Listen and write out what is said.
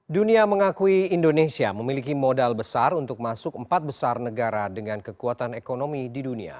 dunia mengakui indonesia memiliki modal besar untuk masuk empat besar negara dengan kekuatan ekonomi di dunia